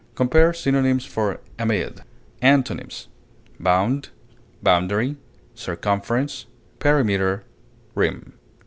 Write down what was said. Compare synonyms for AMID. Antonyms: bound, boundary, circumference, perimeter, rim.